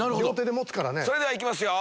それではいきますよ！